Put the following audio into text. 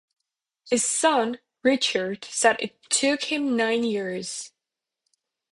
His son, Richard, said, It took him nine years.